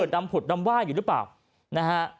ดำผุดดำไหว้อยู่หรือเปล่านะฮะ